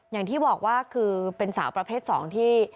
อย่างที่บอกว่าคือเป็นสาวประเภท๒ที่